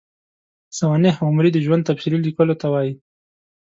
سوانح عمري د ژوند تفصیلي لیکلو ته وايي.